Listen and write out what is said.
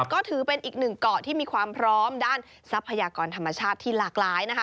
ก็ถือเป็นอีกหนึ่งเกาะที่มีความพร้อมด้านทรัพยากรธรรมชาติที่หลากหลายนะคะ